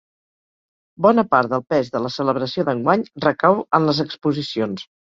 Bona part del pes de la celebració d’enguany recau en les exposicions.